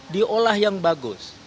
diolah yang bagus